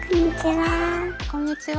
こんにちは。